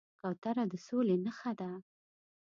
کوتره د سولې نښه ده.